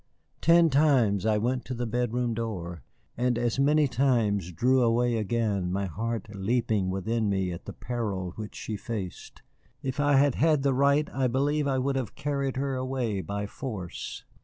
Ten times I went to the bedroom door, and as many times drew away again, my heart leaping within me at the peril which she faced. If I had had the right, I believe I would have carried her away by force.